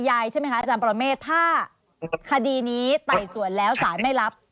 อาจารย์ปรมเมฆถ้าคดีนี้ไต่ส่วนแล้วสารไม่รับ